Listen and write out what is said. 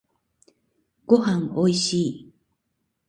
ごはんおいしい。